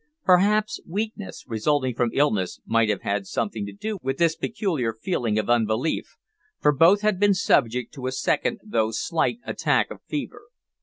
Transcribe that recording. Perhaps weakness, resulting from illness, might have had something to do with this peculiar feeling of unbelief, for both had been subject to a second, though slight, attack of fever.